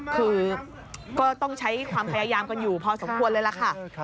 คือก็ต้องใช้ความพยายามกันอยู่พอสมควรเลยล่ะค่ะ